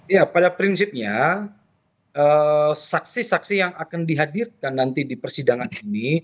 ya pada prinsipnya saksi saksi yang akan dihadirkan nanti di persidangan ini